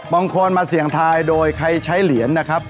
บางคนมาเสี่ยงทายโดยใครใช้เหรียญนะครับ